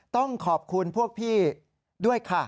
ต้องขอบคุณพวกพี่ด้วยค่ะ